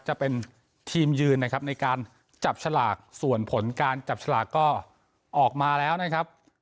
จะเป็นทีมยืนนะครับในการจับฉลากส่วนผลการจับฉลากก็ออกมาแล้วนะครับ